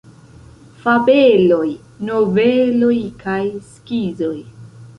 Fabeloj, Noveloj kaj Skizoj.